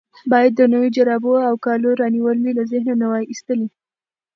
باید د نویو جرابو او کالو رانیول مې له ذهنه نه وای ایستلي.